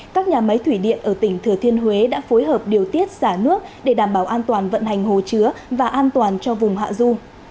các nhà máy thủy điện ở tỉnh thừa thiên huế đã phối hợp điều tiết xả nước để đảm bảo an toàn vận hành hồ chứa và an toàn cho vùng hạ du